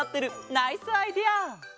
ナイスアイデア！